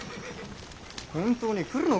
本当に来るのか？